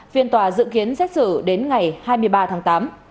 phiên tòa dự kiến xét xử đến ngày hai mươi ba tháng tám